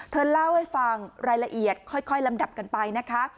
เธอเล่าให้ฟังรายละเอียดค่อยลำดับกันไปนะคะ